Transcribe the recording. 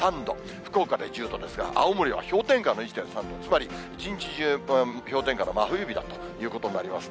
福岡で１０度ですが、青森は氷点下の１．３度、つまり、一日中、氷点下の真冬日だということになりますね。